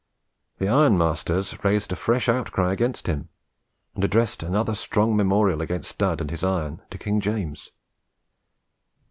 The ironmasters raised a fresh outcry against him, and addressed another strong memorial against Dud and his iron to King James.